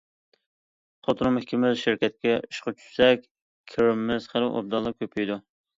خوتۇنۇم ئىككىمىز شىركەتكە ئىشقا چۈشسەك، كىرىمىمىز خېلى ئوبدانلا كۆپىيىدۇ.